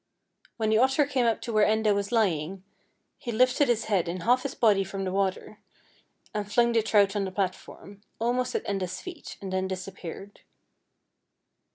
When the otter came up to where Enda was lying, he lifted his head and half his body from the water, and flung the trout on the platform, al most at Enda's feet, and then disappeared.